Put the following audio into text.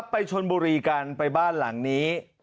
ไปชนบุรีกันไปบ้านหลังนี้